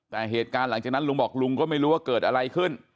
แต่เหตุการณ์หลังจากนั้นลุงบอกลุงก็ไม่รู้ว่าเกิดอะไรขึ้น